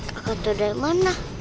kakak tahu dari mana